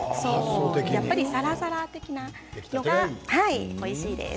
やっぱりサラサラがおいしいです。